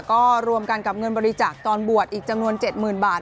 ก็รวมกันกับเงินบริจาคตอนบวชอีกจำนวน๗๐๐๐บาท